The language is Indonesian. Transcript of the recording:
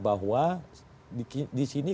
bahwa di sini